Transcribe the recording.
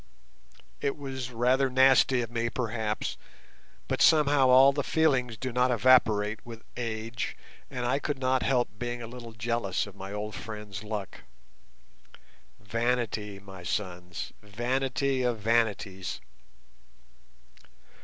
It was rather nasty of me, perhaps, but somehow all the feelings do not evaporate with age, and I could not help being a little jealous of my old friend's luck. Vanity, my sons; vanity of vanities!